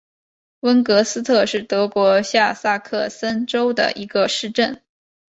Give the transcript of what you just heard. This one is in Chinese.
温格斯特是德国下萨克森州的一个市镇。